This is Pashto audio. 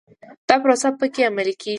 دا پروسه په کې عملي کېږي.